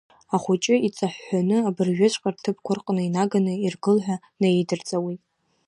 Ахәыҷы иҵаҳәҳәаны, абыржәыҵәҟьа рҭыԥқәа рҟны инаганы иргыл ҳәа наидырҵауеит.